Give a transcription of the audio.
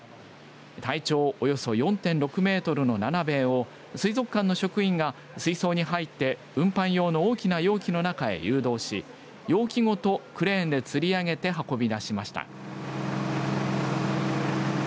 体長およそ４．６メートルのナナベエを水族館の職員が水槽に入って運搬用の大きな容器の中へ移動し容器ごとクレーンでつり上げて運び出しました。